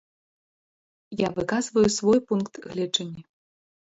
Я выказваю свой пункт гледжання.